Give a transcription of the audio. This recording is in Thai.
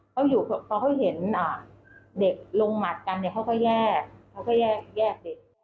ผมก็ได้เห็นนะเด็กลงหมาดกันเนี่ยเขาก็แยก